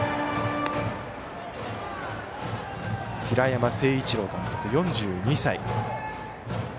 平山清一郎監督、４２歳。